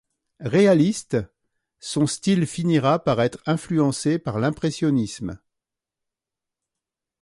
Réaliste, son style finira par être influencé par l'impressionnisme.